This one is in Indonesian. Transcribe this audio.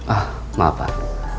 ah maaf pak